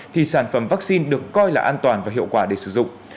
thì sản phẩm vaccine được coi là an toàn và hiệu quả để sử dụng